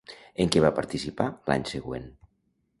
En què va participar l'any següent?